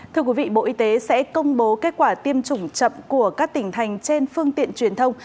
thưa quý vị bộ y tế sẽ công bố kết quả tiêm chủng chậm của các tỉnh thành trên phương tiện truyền thông